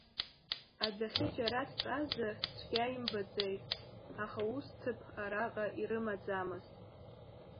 Адәахьы џьара ддтәазар цәгьа имбаӡеит, аха ус ҭыԥ араҟа ирымаӡамызт.